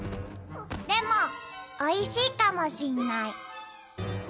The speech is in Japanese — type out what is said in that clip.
でもおいしいかもしんない。